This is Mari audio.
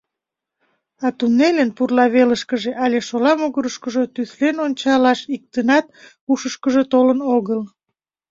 А туннельын пурла велышкыже але шола могырышкыжо тӱслен ончалаш иктынат ушышкыжо толын огыл.